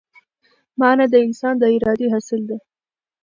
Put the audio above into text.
مانا د انسان د ارادې حاصل ده.